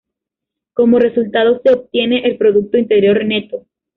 Como resultado, se obtiene el producto interior neto.